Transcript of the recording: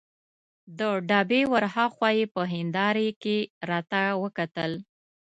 د ډبې ور هاخوا یې په هندارې کې راته وکتل.